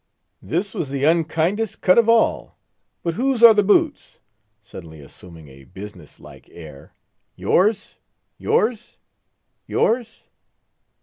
This was the unkindest cut of all. But whose are the boots?" suddenly assuming a business like air; "yours? yours? yours?"